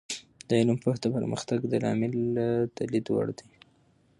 د علم پوهه د پرمختګ د لامله د لید وړ ده.